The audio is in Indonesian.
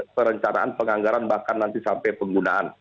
perencanaan penganggaran bahkan nanti sampai penggunaan